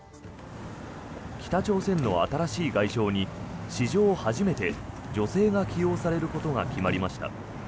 北朝鮮の新しい外相に史上初めて女性が起用されることが決まりました。